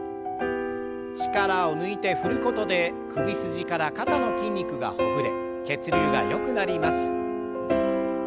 力を抜いて振ることで首筋から肩の筋肉がほぐれ血流がよくなります。